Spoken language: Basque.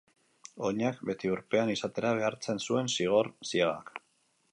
Oinak beti urpean izatera behartzen zuen zigor ziegak.